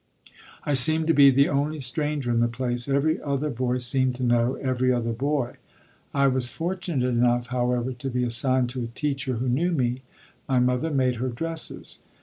I seemed to be the only stranger in the place; every other boy seemed to know every other boy. I was fortunate enough, however, to be assigned to a teacher who knew me; my mother made her dresses.